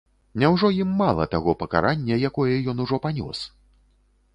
Няўжо ім мала таго пакарання, якое ён ужо панёс?